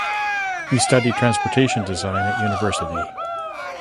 He studied Transportation Design at university.